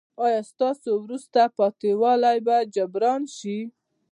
ایا ستاسو وروسته پاتې والی به جبران شي؟